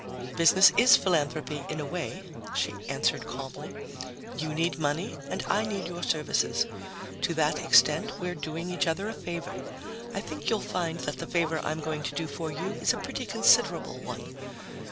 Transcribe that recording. "Business is philanthropy, in a way," she answered calmly. "You need money and I need your services. To that extent, we're doing each other a favor. I think you'll find that the favor I'm going to do for you is a pretty considerable one.